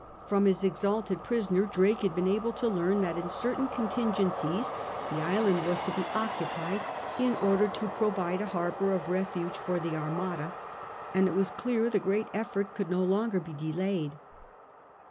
From his exalted prisoner Drake had been able to learn that in certain contingencies the island was to be occupied in order to provide a harbour of refuge for the Armada, and it was clear the great effort could no longer be delayed.